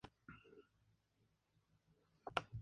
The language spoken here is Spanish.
Sobre la torre aparece un sol que brilla en un cielo azul.